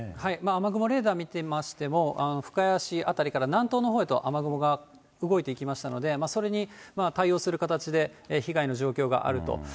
雨雲レーダー見てみましても、深谷市辺りから南東のほうへと雨雲が動いていきましたので、それに対応する形で、被害の状況があると。